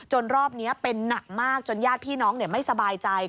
รอบนี้เป็นหนักมากจนญาติพี่น้องไม่สบายใจ